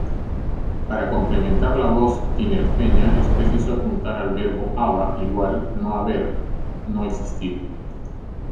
Para complementar la voz tinerfeña es preciso apuntar al verbo "aba"="no haber, no existir".